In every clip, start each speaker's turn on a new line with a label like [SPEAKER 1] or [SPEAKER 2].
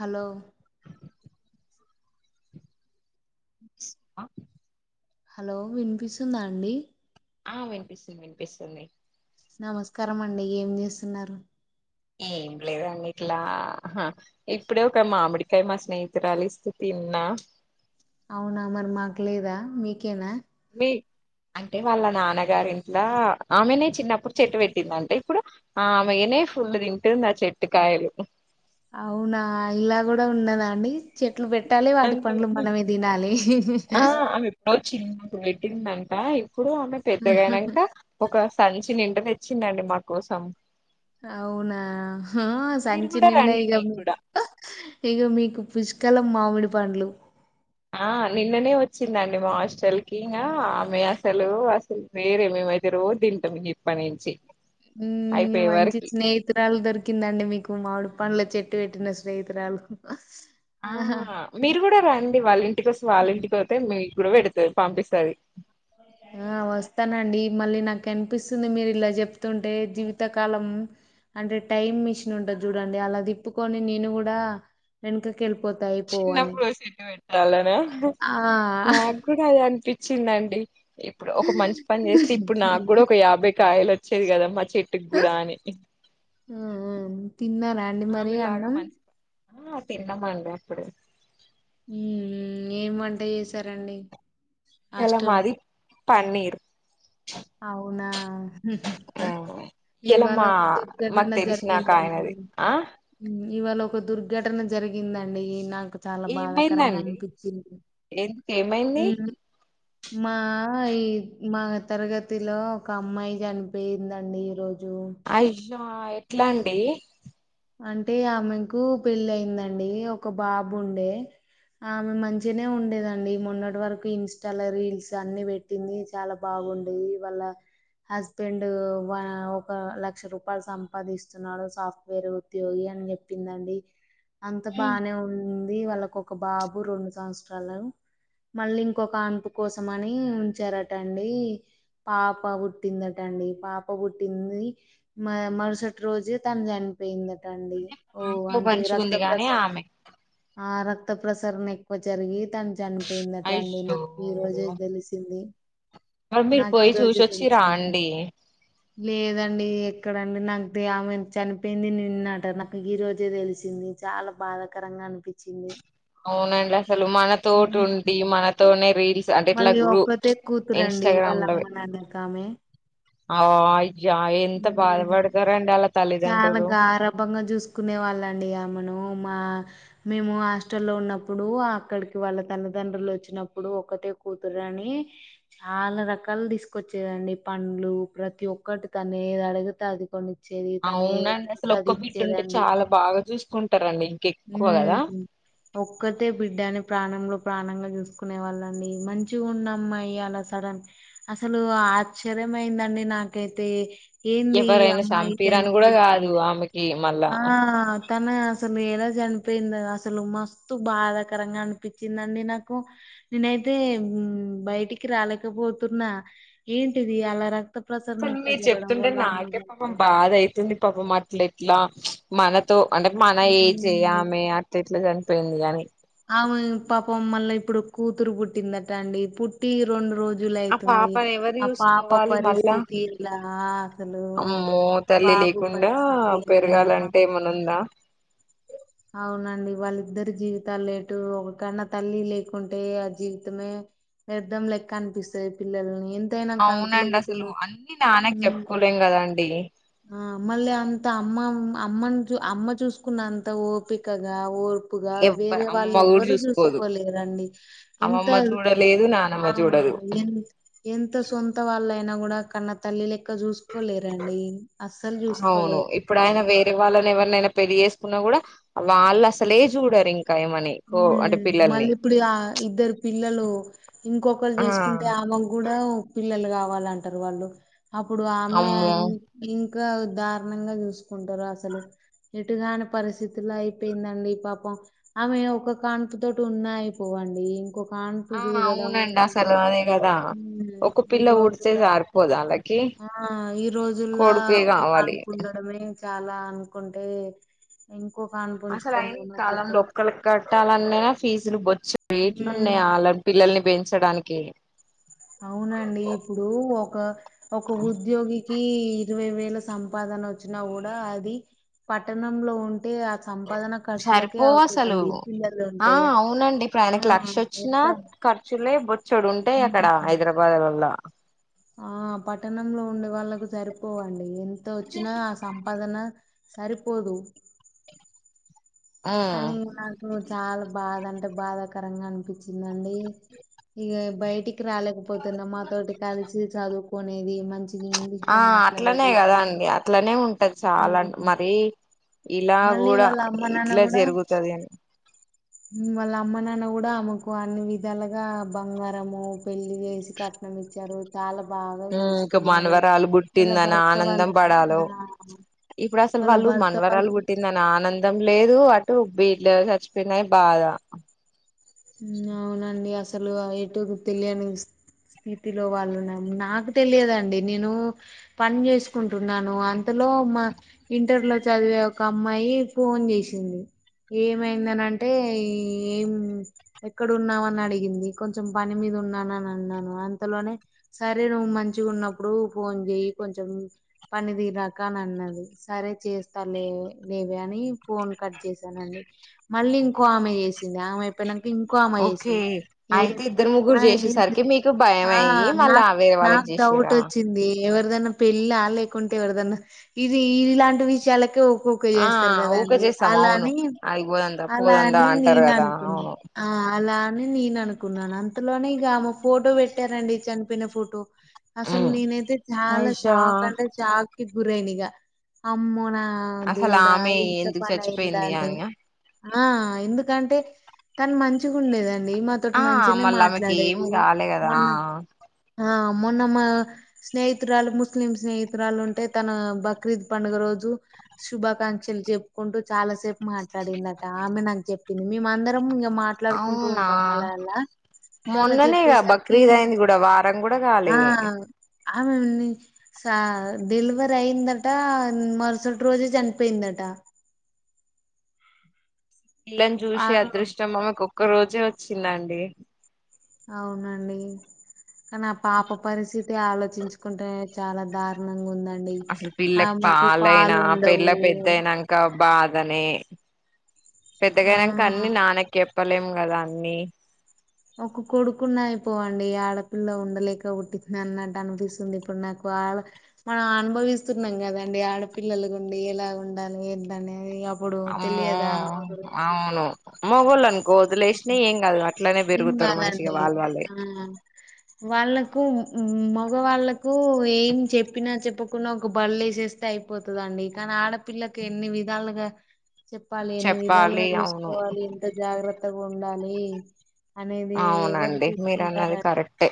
[SPEAKER 1] Hello
[SPEAKER 2] అ
[SPEAKER 1] hello వినిపిస్తుందా అండి
[SPEAKER 2] ఆ వినిపిస్తుంది వినిపిస్తుంది
[SPEAKER 1] నమస్కారం అండి ఏం చేస్తున్నారు
[SPEAKER 2] ఏం లేదండి ఇట్లా హా ఇప్పుడే ఒక మామిడికాయ మా స్నేహితురాలు ఇస్తే తిన్నా
[SPEAKER 1] అవునా మరి మాకు లేదా మీకేనా
[SPEAKER 2] మీ అంటే వాళ్ళ నాన్నగారింట్ల ఆమెనే చిన్నప్పుడు చెట్టు పెట్టింది అంటే ఇప్పుడు ఆమేయనే ఫుల్ తింటుంది ఆ చెట్టు కాయలు
[SPEAKER 1] అవునా ఇలా కూడా ఉన్నదా అండి చెట్లు పెట్టాలి వాటి
[SPEAKER 2] అంత
[SPEAKER 1] పండ్లు మనమే తినాలి
[SPEAKER 2] ఆ ఆమె ఎప్పుడో చిన్నప్పుడు పెట్టిందట ఇప్పుడు ఆమె పెద్దగ అయినంక ఒక సంచి నిండ తెచ్చిందండి మా కోసం
[SPEAKER 1] అవునా
[SPEAKER 2] మీరు
[SPEAKER 1] సంచి
[SPEAKER 2] కూడా
[SPEAKER 1] నిండా
[SPEAKER 2] రండి
[SPEAKER 1] ఇగ
[SPEAKER 2] మీకు కూడా
[SPEAKER 1] ఇగ మీకు పుష్కాలం మామిడి పండ్లు
[SPEAKER 2] ఆ నిన్ననే వచ్చిందండి మా హాస్టల్కి ఇంగా ఆమె అసలు అసలు వేరే మేమైతే రోజు తింటాము ఇప్పటి నుంచి అయిపోయే
[SPEAKER 1] [unintelligible]
[SPEAKER 2] వరకి
[SPEAKER 1] స్నేహితురాలు దొరికిందండి మీకు మామిడి పండ్ల చెట్టు పెట్టిన స్నేహితురాలు
[SPEAKER 2] ఆ
[SPEAKER 1] ఆహా
[SPEAKER 2] మీరు కూడ రండి వాళ్ళ ఇంటికి వసం వాళ్ళ ఇంటికి పోతే మీకు కూడా పెడుతుంది పంపిస్తుంది
[SPEAKER 1] ఆ వస్తానండి మళ్ళీ నాకు కనిపిస్తుంది మీరు ఇలా చెప్తుంటే జీవితకాలం అంటే టైమ్ మిషన్ ఉంటది చూడండి అల తిప్పుకొని నేను కూడా వెనకకి వెళ్ళిపోతే అయిపోవని
[SPEAKER 2] చిన్నప్పుడు సెట్ కూడ అది అనిపించిందండి ఇప్పుడు ఒక మంచి పని చేస్తే ఇప్పుడు నాకు కూడా ఒక యాభై కాయలు వచ్చేది కద మా చెట్టుకి కూడ అని
[SPEAKER 1] ఆ ఆ తిన్నార
[SPEAKER 2] ఆమెలాగ మంచి ఆ తిన్నామండి అప్పుడు
[SPEAKER 1] ఉ ఎం వంట చేసారండి
[SPEAKER 2] ఇల మాది పన్నీర్
[SPEAKER 1] అవునా
[SPEAKER 2] ఇయ్యాల
[SPEAKER 1] ఇవాళ
[SPEAKER 2] మా
[SPEAKER 1] ఒక
[SPEAKER 2] మాకు
[SPEAKER 1] దుర్ఘటన జరిగిందండి
[SPEAKER 2] తెలిసినాకాయనది ఆ
[SPEAKER 1] ఇవాళ ఒక దుర్ఘటన జరిగిందండి నాకు చాల బాధాకరంగా
[SPEAKER 2] ఏమైందండి
[SPEAKER 1] అనిపించింది
[SPEAKER 2] ఎందుకు ఏమైంది
[SPEAKER 1] మా ఈ మా తరగ తిలో ఒక అమ్మాయి చనిపోయిందండి ఈ రోజు
[SPEAKER 2] అయ్యో ఎట్లా అండి
[SPEAKER 1] అంటే ఆమెకు పెళ్లి అయిందండి ఒక బాబు ఉండే ఆమె మంచినే ఉండేదండి మొన్నటి వరకు ఇన్స్టాలో రీల్స్ అన్ని పె [unintelligible] చాల బాగుంది వాళ్ళ హస్బెండ్ ఒక లక్ష రూపాయలు సంపాదిస్తున్నాడు సాఫ్ వేరే ఉద్యోగి అని చెప్పిందండి అంత బానే ఉ వాళ్ళకు ఒక బాబు రెండు సంవత్సరాలు మళ్ళీ ఇంకొక అనుపు కోసం అని ఉంచారటండి పాప పుట్టిందట అండి పాప పుట్టింది మ మరుసటి రోజే తను చనిపోయిందట ఓహ
[SPEAKER 2] నాకు
[SPEAKER 1] అంటే రక్త
[SPEAKER 2] మంచిగుంది
[SPEAKER 1] ప్రస
[SPEAKER 2] గాని ఆమె
[SPEAKER 1] ఆ రక్త ప్రసరణ ఎక్కువ జరిగి తను చనిపోయిందట అండి న
[SPEAKER 2] అయ్యో
[SPEAKER 1] ఈ రోజే తెలిసింది
[SPEAKER 2] మరి మీరు
[SPEAKER 1] నాకు ఈ
[SPEAKER 2] పోయి
[SPEAKER 1] రోజే
[SPEAKER 2] చూసొచ్చిర
[SPEAKER 1] తెలిసింది.
[SPEAKER 2] అండి
[SPEAKER 1] లేదండి ఎక్కడండి నాకు [unintelligible] అపోయింది నిన్నట నాకు ఈ రోజే తెలిసింది చాలా బాధాకరంగా అనిపించింది
[SPEAKER 2] అవునండి అసలు మనతోటి ఉండి మనతోనే రీల్ అంటే ఇట్ల
[SPEAKER 1] మళ్ళీ ఒక్కతే కూతురండి వాళ్ళ
[SPEAKER 2] ఇన్స్టాగ్రామ్ లో
[SPEAKER 1] అమ్మ నాన్నకామె.
[SPEAKER 2] ఆ అయ్యా ఎంత బాధపడతారండి అలా
[SPEAKER 1] చాల
[SPEAKER 2] తల్లిదండ్రులు
[SPEAKER 1] గారభంగ చూసుకునే వాళ్ళండి ఆమను మా మేము హాస్టల్లో ఉన్నప్పుడు అక్కడికి వాళ్ళ తల్లిదండ్రులు వచ్చినప్పుడు ఒకటే కుతురనీ చాలా రకాలు తీసుకొచ్చేదండి పండ్లు ప్రతి ఒక్కటి తనే ఏది అడిగితే అది కొనిచ్చేది. తను ఏది
[SPEAKER 2] అవునండి అసలు
[SPEAKER 1] అడిగితే అది
[SPEAKER 2] ఒక్క బిడ్డ ఉంటే
[SPEAKER 1] ఇచ్చేదండి
[SPEAKER 2] చాలా బాగా చూసుకుంటారండి ఇంక ఎక్కువ కదా.
[SPEAKER 1] ఉమ్. ఒక్కతే బిడ్డని ప్రాణంలో ప్రాణంగా చూసుకునే వాళ్ళండి మంచి ఉన్న అమ్మాయి అలా. స్తాదని అసలు ఆశ్చర్యం అయిందండి నాకైతే. ఏంది ఈ
[SPEAKER 2] ఎవరైనా
[SPEAKER 1] అమ్మాయి చెల్.
[SPEAKER 2] చంపిరని కూడా కాదు ఆమెకి మళ్ళా
[SPEAKER 1] ఆ. తను అసలు ఏలా చనిపోయింది అసలు మస్తు బాధాకరంగా అనిపించిందండి నాకు. నేనైతే బయటికి రాలేకపోతున్నా ఏంటిది అలా. రక్త ప్రసరణ
[SPEAKER 2] అసలు
[SPEAKER 1] ఎక్కువ
[SPEAKER 2] మీరు
[SPEAKER 1] జగడం వాల్ల అమ్మ కాలేక పోతురు.
[SPEAKER 2] ది పాపం అట్ల ఎట్లా మనతో అంటే మన ఏజె
[SPEAKER 1] ఉమ్
[SPEAKER 2] ఆమె అ. ఎట్ల చనిపోయింది గాని.
[SPEAKER 1] ఆమె పాపం మళ్ళ ఇప్పుడు కూతురు పుట్టిందట అండి పుట్టి రెండు రోజు.
[SPEAKER 2] ఆ
[SPEAKER 1] జులైతుంది
[SPEAKER 2] పాపని ఎవరు
[SPEAKER 1] ఆ పాప
[SPEAKER 2] చూసుకోవాలి మళ్ళా
[SPEAKER 1] పరిస్థితి ఇలా అసలు.
[SPEAKER 2] అమ్మో
[SPEAKER 1] ఆ
[SPEAKER 2] తల్లి
[SPEAKER 1] బాబు పరిస్థితి ఎలా.
[SPEAKER 2] నన్న.
[SPEAKER 1] అవునండి వాళ్ళిద్దరి జీవితాలు ఏటు ఒక కన్నా తల్లి లేకుంటే ఆ జీవితమే. వ్యర్ధం లెక్క అనిపిస్తది పిల్లల్ని. ఎంతైనా కడుపులో
[SPEAKER 2] అవునండి
[SPEAKER 1] పుట్టిన
[SPEAKER 2] అసలు అన్ని నాన్నకు
[SPEAKER 1] ఉమ్,
[SPEAKER 2] చెప్పుకోలేం కదండి.
[SPEAKER 1] ఆ మళ్ళ అంత అమ్మ అమ్మని చు అమ్మ చూసుకున్న అంత ఓపికగా ఓ. ప్పుగా
[SPEAKER 2] ఎవ్వరు
[SPEAKER 1] వేరే వాళ్ళు
[SPEAKER 2] అమ్మమ్మ కూడా
[SPEAKER 1] ఎవ్వరు
[SPEAKER 2] చూసుకోదు
[SPEAKER 1] చూసుకోలేరండి ఎంత
[SPEAKER 2] అమ్మమ్మ చూడలేదు
[SPEAKER 1] ఆ.
[SPEAKER 2] నానమ్మ చూడదు
[SPEAKER 1] ఎ ఎంత సొంత వాళ్ళయినా గూడా కన్నా తల్లి లెక్క చూసుకోలేరండి. అస్సలు
[SPEAKER 2] అవును
[SPEAKER 1] చూసుకోలేరు
[SPEAKER 2] ఇప్. ఇప్పుడు ఆయనా వేరే వాళ్ళని ఎవరినైనా పెళ్లి చేసుకున్నా గూడా వాళ్ళు అసలే చూడరు ఇంకా ఈమని.
[SPEAKER 1] ఉమ్ మళ్ళీ ఇప్పుడు ఇగ ఇద్దరు పిల్లలు. ఇంకొకరు
[SPEAKER 2] ఆ!
[SPEAKER 1] జేసుకుంటే ఆమెకు గూడా. పిల్లలు గావాలంటారు వాళ్ళు అప్పుడు ఆమె.
[SPEAKER 2] అమ్మో
[SPEAKER 1] ఇంకా దారుణంగా జూసుకుంటురు అసలు. ఎటుగాని పరిస్థితుల్ల అయిపోయిందండి పాపం. ఆమె ఒక కాన్పు తోటి ఉన్నా అయిపోవండి. కాన్పు
[SPEAKER 2] ఆ
[SPEAKER 1] చూడడం
[SPEAKER 2] అవునండి అసలు అదే కదా.
[SPEAKER 1] హ్మ్
[SPEAKER 2] ఒక
[SPEAKER 1] ఈ
[SPEAKER 2] పిల్ల పుడితే
[SPEAKER 1] రోజుల్ల
[SPEAKER 2] సరిపోదు వాళ్ళకి
[SPEAKER 1] ఆ ఈ రోజుల్ల
[SPEAKER 2] కొడుకే
[SPEAKER 1] ఒక
[SPEAKER 2] కావాలి
[SPEAKER 1] కాన్పు ఉండడమే. చాలా అనుకుంటే ఇంకొ కాన్పు ఉంచుకుంది నాకైతే.
[SPEAKER 2] కట్టాలన్న ఫీజులు బొచ్చే రేట్లు
[SPEAKER 1] హ్మ్
[SPEAKER 2] ఉన్నాయి వాళ్ళ పిల్లల్ని పెంచడానికి.
[SPEAKER 1] అవునండి ఇప్పుడు ఒక ఒక ఉద్యోగి. కి ఇరవై వేల సంపాదన వచ్చినా కూడా అది పట్టణంలో ఉంటే. సంపాదన ఖర్చులకే
[SPEAKER 2] సరిపోవు అసలు
[SPEAKER 1] అవుతుందండి పిల్లలు
[SPEAKER 2] ఆ
[SPEAKER 1] ఉంటే
[SPEAKER 2] అవునండి ఇప్పుడు
[SPEAKER 1] ఆ
[SPEAKER 2] ఆయనకి లక్ష వచ్చినా
[SPEAKER 1] ఎంత.
[SPEAKER 2] ఖర్చులే బొచ్చడు ఉంటాయి అక్కడ
[SPEAKER 1] ఉమ్.
[SPEAKER 2] హైదరాబాద్ లల్ల.
[SPEAKER 1] ఆ పట్టణంలో ఉండే వాళ్ళలకు సరిపోవండి ఎంత వచ్చినా ఆ సంపాదన. సరిపోదు.
[SPEAKER 2] ఉమ్
[SPEAKER 1] కానీ నాకు చాలా బాధ అంటే బాధాకరంగా అనిపించిందండి. ఇగ బయటికి రాలేకపోతున్న మాతోటి కలిసి చదువుకునేది మంచిది.
[SPEAKER 2] ఆ అట్లనే కదా అండి అట్లనే ఉంటది చాలా మరీ. ఇలా
[SPEAKER 1] మళ్ళీ
[SPEAKER 2] గూడా
[SPEAKER 1] వాళ్ళ అమ్మ నాన్న
[SPEAKER 2] ఇట్లా
[SPEAKER 1] కూడా
[SPEAKER 2] జరుగుతది అనీ.
[SPEAKER 1] వాళ్ళ అమ్మ నాన్న గూడా ఆమెకు అన్ని విధాలుగా బంగారము. పెళ్ళి జేసి కట్నం ఇచ్చారు. చాలా బాగా
[SPEAKER 2] ఉమ్, ఇంకా
[SPEAKER 1] జూసుకున్నారు
[SPEAKER 2] మనవరాలు
[SPEAKER 1] వాళ్ళ
[SPEAKER 2] పుట్టిందని
[SPEAKER 1] భర్త
[SPEAKER 2] ఆనందం
[SPEAKER 1] వాళ్ళు
[SPEAKER 2] పడాలో
[SPEAKER 1] ఆ
[SPEAKER 2] ఇప్పుడు అసలు
[SPEAKER 1] వాళ్ళ
[SPEAKER 2] వాళ్ళు
[SPEAKER 1] భర్త
[SPEAKER 2] మనవరాలు
[SPEAKER 1] వాళ్ళు
[SPEAKER 2] పుట్టింద న ఆనందం లేదు అటు బిడ్డ చచ్చిపోయిందని బాధ
[SPEAKER 1] అవునండి అసలు ఎటు తెలియని స్థితిలో వాళ్ళున్నారు నాకు తెలియదండి నేను పని చేసుకుంటున్నాను అంతలో మా ఇంటర్ లో చదివే ఒక అమ్మాయి ఫోన్ జేసింది ఏమైందని అంటే ఈ ఏం ఎక్కడన్నావ్ అని అడిగింది కొంచెం పని మీద ఉన్నానని అన్నాను అంతలోనే సరే నువ్వు మంచిగా ఉన్నప్పుడు ఫోన్ జేయ్ కొంచెం పని తీరాక అని అన్నది సరే చేస్తా లే లేవే అని ఫోన్ కట్ చేసానండి మళ్ళీ ఇంకో ఆమె జేసింది ఆమె అయిపోయినాక ఇంకో ఆమ
[SPEAKER 2] ఓకే
[SPEAKER 1] చేసింది ఏ
[SPEAKER 2] అయితే ఇద్దరు ముగ్గురు
[SPEAKER 1] ఏంది
[SPEAKER 2] చేసేసరికి మీకు భయం
[SPEAKER 1] ఆ
[SPEAKER 2] అయ్యి మళ్ళా వేరే వాళ్ళకి
[SPEAKER 1] నాకు డౌట్
[SPEAKER 2] చేసిరా
[SPEAKER 1] వచ్చింది ఎవరిదన్నా పెళ్ళా లేకుంటే ఎవరిదన్నా ఇది ఈలాంటి విషయాలకే ఎక్కువ
[SPEAKER 2] ఆ
[SPEAKER 1] చేస్తరు
[SPEAKER 2] ఊకే
[SPEAKER 1] గదండి
[SPEAKER 2] చేస్తాం అవును
[SPEAKER 1] అలాని
[SPEAKER 2] ఆడికి పోదందా
[SPEAKER 1] అలా
[SPEAKER 2] పోదందా
[SPEAKER 1] అని
[SPEAKER 2] అంటారు కదా
[SPEAKER 1] నేను అనుకున్నా
[SPEAKER 2] అవును
[SPEAKER 1] ఆ అలా అని నేను అనుకున్నాను అంతలోనే ఇక ఆమె ఫోటో పెట్టారండి చనిపోయిన ఫోటో అసలు
[SPEAKER 2] ఉమ్
[SPEAKER 1] నేనైతే చాలా
[SPEAKER 2] అయ్యా
[SPEAKER 1] షాక్ అంటే షాక్ కి గురైన ఇగ అమ్మో నా
[SPEAKER 2] అసలు
[SPEAKER 1] దేవుడా
[SPEAKER 2] ఆమె
[SPEAKER 1] ఇంత
[SPEAKER 2] ఎందుకు
[SPEAKER 1] పని
[SPEAKER 2] చచ్చిపోయింది
[SPEAKER 1] అయిందాని
[SPEAKER 2] అని
[SPEAKER 1] ఆ ఎందుకంటే తను మంచిగా ఉండేదండి మాతోటి
[SPEAKER 2] ఆ
[SPEAKER 1] మంచిగానే
[SPEAKER 2] మళ్ళీ ఆమెకి ఏం
[SPEAKER 1] మాట్లాడేది
[SPEAKER 2] కాలే కదా
[SPEAKER 1] మొన్న ఆ మొన్న మా స్నేహితురాలు ముస్లిం స్నేహితురాలు ఉంటే తన బక్రీద్ పండుగ రోజు శుభాకాంక్షలు చెప్పుకుంటూ చాలాసేపు మాట్లాడిందట ఆమె నాకు చెప్పింది మేమందరం ఇంకా మాట్లాడుకుంటూ
[SPEAKER 2] అవునా
[SPEAKER 1] ఉంటాం అలా అలా అలా
[SPEAKER 2] మొన్ననేగా
[SPEAKER 1] జెప్పేసరికి
[SPEAKER 2] బక్రీద్ అయింది కూడా వారం కూడా
[SPEAKER 1] ఆ
[SPEAKER 2] కాలే
[SPEAKER 1] ఆమె ఉంది సా డెలివర్ అయిందట మరుసటి రోజే చనిపోయిందట
[SPEAKER 2] పిల్లని
[SPEAKER 1] ఆ
[SPEAKER 2] చూసే
[SPEAKER 1] రో
[SPEAKER 2] అదృష్టం ఆమెకు ఒక్క రోజే వచ్చిందండి
[SPEAKER 1] అవునండి కానీ ఆ పాప పరిస్థితి అదే ఆలోచించుకుంటే చాలా దారుణంగా ఉందండి
[SPEAKER 2] అసలు పిల్లకి
[SPEAKER 1] ఆమెకు
[SPEAKER 2] పాలైనా
[SPEAKER 1] పాలు ఉండవు.
[SPEAKER 2] పిల్ల పెద్దయినాం కా బాధనే పెద్దగా
[SPEAKER 1] ఆ
[SPEAKER 2] అయినంక అన్ని నాన్నకే చెప్పలేం కదా అన్నీ
[SPEAKER 1] ఒక కొడుకున్న అయిపోవండి ఆడపిల్ల ఉండలేక పుట్టి అన్నట్టు అనిపిస్తుంది ఇప్పుడు నాకు ఆడ మనం అనుభవిస్తున్నాం గదండి ఆడపిల్లలు ఉండి ఎలాగా ఉండాలి ఏంటని
[SPEAKER 2] అమ్మో అవును మొగోళ్లను గోతిలే యేసినా ఏం గాదు అట్లనే పెరుగుతారు మంచిగా వాళ్ళు వాళ్ళే
[SPEAKER 1] హ్ వాళ్ళకు మగవాళ్ళలకు ఏం చెప్పినా చెప్పకున్న ఒక బళ్ళ వేస్తే అయిపోతుందిండి కానీ ఆడపిల్లకి ఎన్ని విధాలుగా చెప్పాలి ఎన్ని విధాలుగా
[SPEAKER 2] చెప్పాలి అవును
[SPEAKER 1] చూసుకోవాలి ఎంత జాగ్రత్తగా ఉండాలి అనేది ఎవరు చూసుకుంటారని
[SPEAKER 2] టె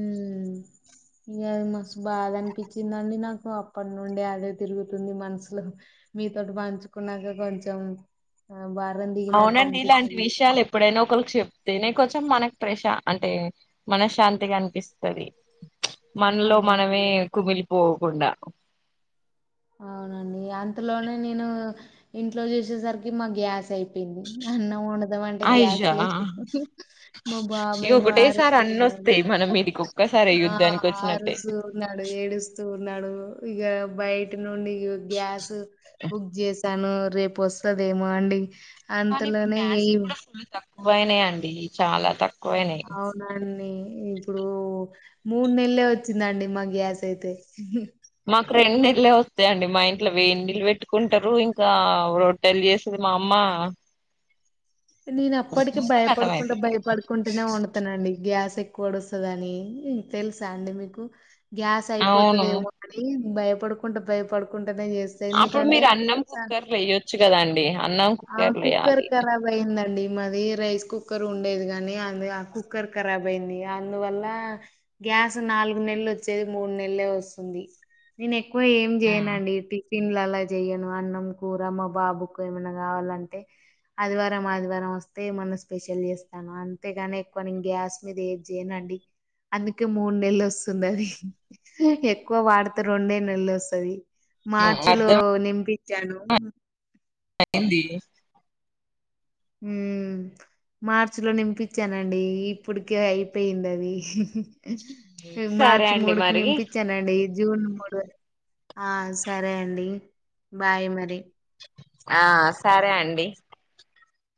[SPEAKER 1] ఉమ్ ఇగ అది మస్తు బాధ అనిపించిందిండి నాకు అప్పటి నుండి అదే తిరుగుతుంది మనసులో మీతోటి పంచుకున్నంక కొంచెం ఆ భారం దిగినట్టు
[SPEAKER 2] అవునండి ఇలాంటి
[SPEAKER 1] అనిపిస్తుంది.
[SPEAKER 2] విషయాలు ఎప్పుడైనా ఒకళికి చెప్తేనే కొంచెం మనకు ప్రశా అంటే మనశాంతిగా అనిపిస్తది, మనలో మనమే
[SPEAKER 1] అవునండి
[SPEAKER 2] కుమిలిపోకుండా.
[SPEAKER 1] అవునండి అంతలోనే నేను ఇంట్లో చూసేసరికి మా గ్యాస్ అయి పోయింది, అన్నం వండుదాం అంటే గ్యాస్
[SPEAKER 2] అయ్యా
[SPEAKER 1] లేదు. మా బాబేమో అరు
[SPEAKER 2] తే అన్నొస్తయి మన మీదికి ఒక్కసారే యుద్ధానికి వచ్చినట్టే.
[SPEAKER 1] ఇంగ ఆడు ఏడుస్తూ ఉన్నాడు ఇగ బయటి నుండి గ్యాస్ బుక్ జేసి సాను రేపు వస్తదేమో అండి అంతలోనే ఇగ ఇ
[SPEAKER 2] తక్కువయినయండి చాలా తక్కువయినయి.
[SPEAKER 1] దాన్ని ఇప్పుడు మూడు నెలలే వచ్చిందండి మా గ్యాస్ అయితే.
[SPEAKER 2] మాకు రెండు నెల్లే వత్తయండి మా ఇంట్లో వేడి నీళ్ళు పెట్టుకుంటరు ఇంకా రో ట్టెలు చేస్తది మా అమ్మా.
[SPEAKER 1] నేను అప్పటికి
[SPEAKER 2] ఇంకా కతం
[SPEAKER 1] భయపడుకుంటా
[SPEAKER 2] అయిపోతది
[SPEAKER 1] భయపడుకుంటనే వండు తనండి గ్యాస్ ఎక్కువొడుస్తదని తెలుసా అండి మీకు. గ్యాస్
[SPEAKER 2] అవును
[SPEAKER 1] అయిపోతదేమో అని భయపడుకుంటా భయపడుకుంటనే చేస్
[SPEAKER 2] అప్పుడు మీరు అన్నం కుక్కర్లో ఎయొచ్చు కదండి అన్నం కుక్కర్ల ఎయ్యాలి.
[SPEAKER 1] పోయిందండి మాది రైస్ కుక్కర్ ఉండేది గాని అది ఆ కుక్కర్ కరాబ్ అయింది అందువల్లా గ్యాస్ నాలుగు నెలలు వచ్చేది మూడు నెలలే వస్తుంది. నేను ఎక్కువ ఏం
[SPEAKER 2] ఉమ్
[SPEAKER 1] జేయనండి, టిఫిన్లు అలా జేయ్యను. అన్నం, కూర మా బాబు కు ఏమన్నా గావాలంటే ఆదివారం ఆదివారం వస్తే ఏమన్నా స్పెషల్ చేస్తాను అంతేగాని ఎక్కువ నేను గ్యాస్ మీద ఏది చేయనండి. అందుకే మూడు నెల్లు వస్తుంది అది. ఎక్కువ వాడితే రొండే నెలలు వస్తది మార్చి లో నింపిచ్చాను.
[SPEAKER 2] ఆ ఎంది.
[SPEAKER 1] హ్మ్ మార్చి లో నింపిచ్చానండి ఇప్పటికే అయిపోయింది అది.
[SPEAKER 2] సరే
[SPEAKER 1] మార్చి
[SPEAKER 2] అండి
[SPEAKER 1] మూడుకి
[SPEAKER 2] మరి
[SPEAKER 1] నింపిచాను. నండి జూన్ మూడు ఆ సరే అండి బాయ్ మరి.
[SPEAKER 2] ఆ సరే అండి.